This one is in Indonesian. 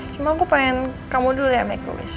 cuma aku pengen kamu dulu ya make a wish